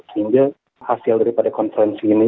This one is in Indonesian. sehingga hasil daripada konferensi ini